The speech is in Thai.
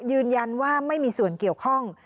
ยืนยันว่าไม่มีส่วนเกี่ยวข้อง